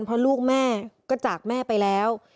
เพราะลูกแม่ก็จากแม่ไปแล้ว